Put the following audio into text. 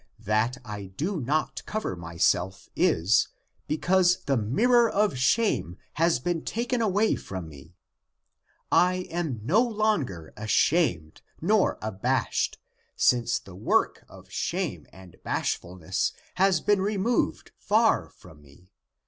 That I do not cover myself is, because the mirror of shame has been taken away from me ; I am no longer ashamed or abashed, since the work of shame and bashfulness has been removed far from me.